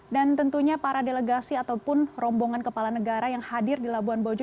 dan tentunya para delegasi ataupun rombongan kepala negara yang hadir di labuan bajo